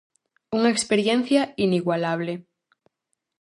Unha experiencia inigualable.